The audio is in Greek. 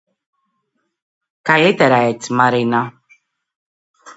Καλύτερα έτσι, Μαρίνα!